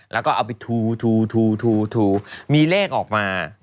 แล้วก็เอาไปทูมีเลขออกมา